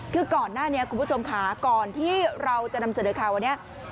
คือก่อนหน้านี้คุณผู้ชมค่ะก่อนที่เราจะนำเสนอข่าววันนี้